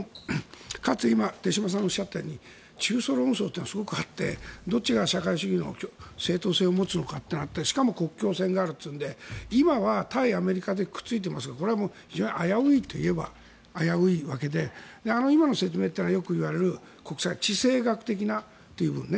かつ、今、手嶋さんがおっしゃったように中ソ論争というのはあってどっちが社会主義の正統性を持つのかとなってしかも国境線があるというので今は対アメリカでくっついていますがこれは非常に危ういといえば危ういわけで今の説明というのはよく言われる地政学的なという部分ね。